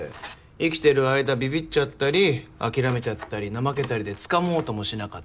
生きてる間びびっちゃったり諦めちゃったりなまけたりでつかもうともしなかった